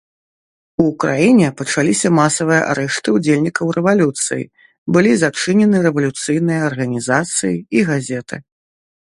У краіне пачаліся масавыя арышты ўдзельнікаў рэвалюцыі, былі зачынены рэвалюцыйныя арганізацыі і газеты.